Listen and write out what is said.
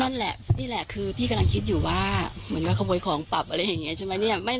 นั่นแหละนี่แหละคือพี่กำลังคิดอยู่ว่าเหมือนกับขโมยของปรับอะไรอย่างนี้ใช่ไหมเนี่ย